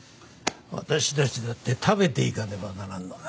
私たちだって食べていかねばならんのだ。